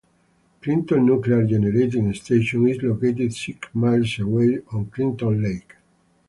Clinton Nuclear Generating Station is located six miles away on Clinton Lake.